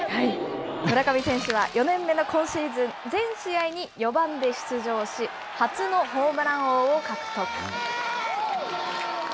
村上選手は４年目の今シーズン、全試合に４番で出場し、初のホームラン王を獲得。